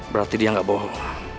berarti dia gak bohong